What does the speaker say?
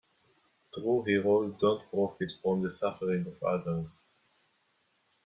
True heroes don't profit from the suffering of others.